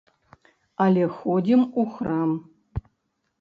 Але ходзім у храм.